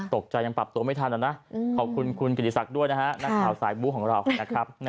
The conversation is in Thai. ตกใจยังปรับตัวไม่ทันนะขอบคุณคุณกิติศักดิ์ด้วยนะฮะนักข่าวสายบู้ของเรานะครับ